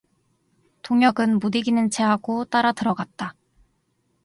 동혁은 못 이기는 체하고 따라 들어갔다.